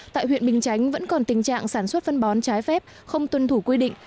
tại huyện bình chánh vẫn còn tình trạng sản xuất phân bón trái phép không tuân thủ quy định